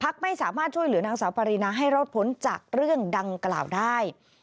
ไม่สามารถช่วยเหลือนางสาวปรินาให้รอดพ้นจากเรื่องดังกล่าวได้